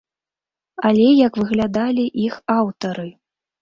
Але як выглядалі іх аўтары?